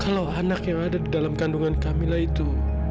kalau anak yang ada di dalam kandungan camilla itu